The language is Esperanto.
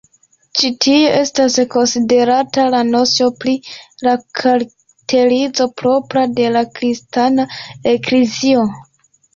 Ĉi tie estas konsiderata la nocio pri la karakterizo propra de la Kristana Eklezio.